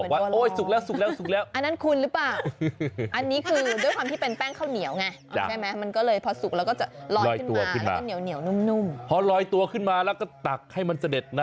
มันจะพองขึ้นมาลอยใช่ไหมฮะ